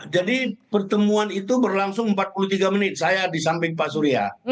jadi pertemuan itu berlangsung empat puluh tiga menit saya di samping pak surya